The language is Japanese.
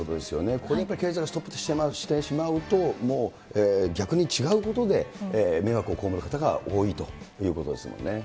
これ、やっぱり経済がストップしてしまうと、もう、逆に違うことで、迷惑を被る方が多いということですね。